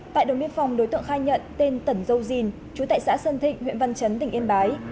tại đồng biên phòng đối tượng khai nhận tên tẩn dâu dìn chú tại xã sơn thịnh huyện văn chấn tỉnh yên bái